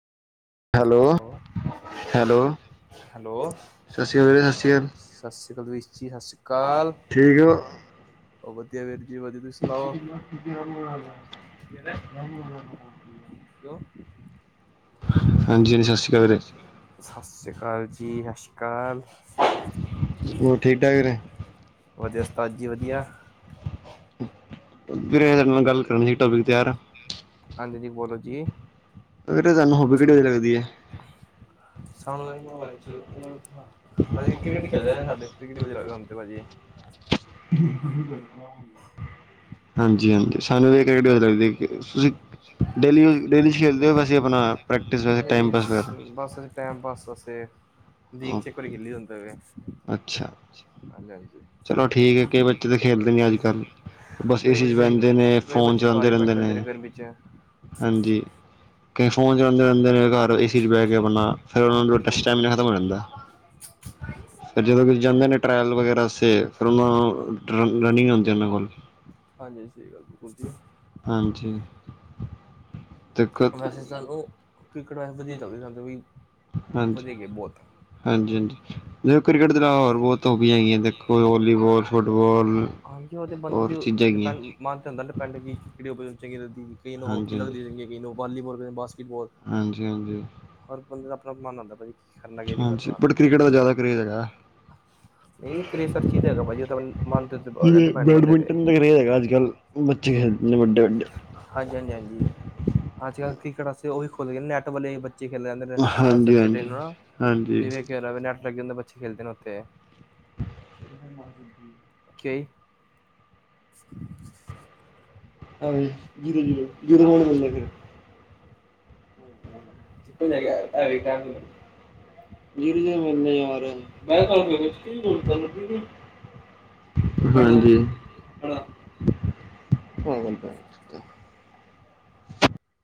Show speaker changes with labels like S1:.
S1: Hello hello
S2: hello
S1: ਸਤਿ ਸ਼੍ਰੀ ਅਕਾਲ ਵੀਰੇ ਸਤਿ ਸ਼੍ਰੀ ਅਕਾਲ
S2: ਸ ਸੀ ਕਾਲ ਵੀਰ ਜੀ, ਸ ਸੀ
S1: ਠੀਕ ੳ
S2: ਉਹ ਵਧੀਆ ਵੀਰ ਜੀ ਵਧੀਆ, ਤੁਸੀਂ ਸੁਣਾਓ?
S1: [unintelligible]
S2: ਕਉ
S1: ਹਾਂਜੀ ਹਾਂਜੀ ਸਤਿ ਸ਼੍ਰੀ ਅਕਾਲ ਵੀਰੇ
S2: ਸਸ ਸੀ ਕਾਲ ਜੀ, ਸ਼ਸ਼ੀ ਕਾਲ
S1: ਹੋਰ ਠੀਕ ਠਾਕ ਨੇ
S2: ਵਧੀਆ ਉਸਤਾਦ ਜੀ ਵਧੀਆ
S1: ਵੀਰੇ ਤੁਹਾਡੇ ਨਾਲ ਗੱਲ ਕਰਨੀ, ਟੋਪਿਕ ਤਿਆਰ ਆ
S2: ਹਾਂਜੀ ਜੀ ਬੋਲੋ ਜੀ
S1: [unintelligible] ਲੱਗਦੀ ਏ [unintelligible]
S2: ਅਸੀਂ ਕ੍ਰਿਕਟ ਖੇਲਦੇ ਨੇ ਸਾਡੇ ਕ੍ਰਿਕਟ ਵਧੀਆ ਲੱਗਦਾ ਸਾਨੂੰ ਤੇ ਭਾਜੀ।
S1: ਹਾਂਜੀ ਹ [unintelligible] ਤੁਸੀਂ। ਡੇਲੀ ਡੇਲੀ 'ਚ ਖੇਲਦੇ ਹੋ ਵੈਸੇ ਆਪਣਾ ਪ੍ਰੈਕਟਿਸ ਵੈਸੇ
S2: ਨਹੀਂ
S1: ਟਾਈਮ ਪਾਸ ਵਗੈਰਾ
S2: ਨਹੀਂ ਬਸ ਟੈਮ ਪਾਸ ਅਸਤੇ, ਦੀਗ ਚ ਇਕ ਵੀ ਖੇਲੀ ਜਾਂਦੇ
S1: ਅੱਛਾ
S2: [unintelligible]
S1: ਚਲੋ ਠੀਕ ਏ, ਕਈ ਬੱਚੇ ਤੇ ਖੇਲਦੇ ਨੀ ਅੱਜ ਕੱਲ੍ਹ ਬਸ ਏ
S2: ਕਈ
S1: ਸੀ ਚ
S2: ਬੱਚੇ
S1: ਬਹਿੰਦੇ ਨੇ,
S2: ਕਈ
S1: ਫੋਨ
S2: ਬੱਚੇ ਘਰ
S1: ਚਲਾਂਦੇ
S2: ਹੀ
S1: ਰਹਿੰਦੇ
S2: ਬੈਠੇ
S1: ਨੇ
S2: ਗਰਮੀ ਚ,
S1: ਹਾਂਜੀ, ਕਈ ਫੋਨ ਚਲਾਂਦੇ ਰਹਿੰਦੇ ਨੇ ਘਰ ਏ ਸੀ ਚ ਬਹਿ ਕੇ ਅਪਨਾ ਫਿਰ ਉਹਨਾ
S2: ਹਾਂਜੀ
S1: ਨੂੰ
S2: ਹਾਂਜੀ
S1: [unintelligible] ਖਤਮ ਹੋ ਜਾਂਦੇ, ਫੇਰ ਜਦੋਂ ਮਿਲ ਜਾਂਦੇ ਨੇ ਟ੍ਰੇਲ ਵਗੈਰਾ ਤੇ ਫੇਰ ਉਹਨਾਂ ਨੂੰ ਰਨਿੰਗ ਹੁੰਦੀ ਉਹਨਾਂ ਕੋਲ
S2: ਹਾਂਜੀ ਸਹੀ ਗੱਲ ਬਿਲਕੁਲ ਜੀ।
S1: ਹਾਂਜੀ,
S2: ਵੈਸੇ
S1: [unintelligible]
S2: ਸਾਨੂੰ ਕ੍ਰਿਕਟ ਵੈਸੇ ਵਧੀਆ ਚੱਲ [unintelligible] ਸੀ ਵੀ ਵਧੀਆ ਗਏ ਬਹੁਤ
S1: ਹਾਂਜੀ ਹਾਂਜੀ ਦੇਖੋ ਕ੍ਰਿਕਟ ਤੋਂ ਈਲਾਵਾ ਹੋਰ ਬੋਹਤ ਹੋਬੀਆ ਹੈਗੀਆਂ ਦੇਖੋ ਵੌਲੀਬਾਲ, ਫੁਟਬਾਲ
S2: ਉਹਦੇ ਬੰਦੇ ਡਿਪੈਂਡ ਮਨ ਤੇ ਹੁੰਦਾ ਡਿਪੈਂਡ ਖੇੜ ਨੂੰ ਚੰਗੀ ਲਗਦੀ ਈ ਕਈਆਂ ਨੂੰ ਹੋਕੀ
S1: ਹਾਂਜੀ
S2: ਲਗਦੀਗੀ ਕਈ ਨੂੰ ਵਾਲੀਬਾਲ ਕਿੰ ਬ ਬਾਸਕਿਟਬਾਲ
S1: ਹਾਂਜੀ ਹਾਂਜੀ
S2: ਹਰ ਬੰਦੇ ਦਾ ਅਪਨਾ ਮਨ ਹੁੰਦੇ ਭਾਜੀ ਕਰਨਾ ਹੈ ਕੇ ਨੀ
S1: ਹਾਂਜੀ
S2: ਕਰਨਾ।
S1: ਬਟ ਕ੍ਰਿਕਟ ਦਾ ਜ਼ਿਆਦਾ ਕਰੇਜ਼ ਹੈਗਾ
S2: ਨਹੀਂ ਕਰੇਸਰ ਚੀਜ਼ ਹੈਗਾ ਭਾਜੀ, ਉਹ ਮਨ ਤੇ
S1: ਜਿਵੇਂ
S2: ਡਿਪੈਂਡ ਬੰਦੇ ਤੇ
S1: ਬੈਡਮਿੰਟਨ ਦਾ ਕਰੇਜ਼ ਹੈਗਾ ਅੱਜ ਕੱਲ੍ਹ ਬੱਚੇ ਖੇਡਦੇ ਨੇ ਵੱਡੇ ਵੱਡੇ
S2: ਹਾਂਜੀ ਹਾਂਜੀ ਹਾਂਜੀ ਅੱਜ
S1: ਹਾਂਜੀ
S2: ਕੱਲ ਕ੍ਰਿਕਟ ਆਸਤੇ ਉਹ ਵੀ ਖੁਲ ਗਏ ਨੈਟ ਵਾਲੇ ਬੱਚੇ ਖੇਲਨ ਜਾਂਦੇ ਨੇ ਸਚ
S1: ਹਾਂਜੀ
S2: ਸੈਚਡੇ ਨੂ ਨਾ
S1: ਹਾਂਜੀ
S2: ਤੂ ਵੇਖ ਕੇ ਹੈ ਨੈੱਟ ਲੱਗ ਬੱਚੇ ਖੇਡਦੇ ਨੇ ਉੱਥੇ [unintelligible]
S1: ਹਾਂਜੀ, ਜੀਰੋ ਜੀਰੋ ਜੀਰੋ ਕੋਨ [unintelligible] ਹ
S2: [unintelligible]
S1: ਜੀਰੋ
S2: ਆ
S1: ਜੀਰੋ ਮਿਲਣੇ ਯਾਰ
S2: ਮੈਂ ਕਿਹਾ। ਘਟਦਾ, ਘੜਦਾ।
S1: ਹਮ।